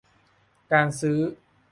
การซื้อ